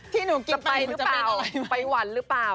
ที่หนูกินไปหนูจะเป็นอะไรมั้ยจะไปหวันหรือเปล่า